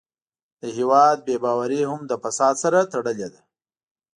د هېواد بې باوري هم له فساد سره تړلې ده.